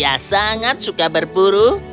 ia sangat suka berburu